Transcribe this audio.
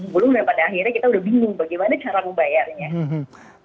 nah pada akhirnya kita udah bingung bagaimana cara membayarnya